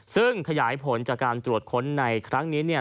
ซึ่งขยายผลจากการตรวจค้นในครั้งนี้เนี่ย